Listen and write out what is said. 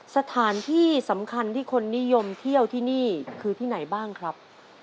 สถานที่สำคัญที่คนนิยมเที่ยวที่นี่คือที่ไหนบ้างครับ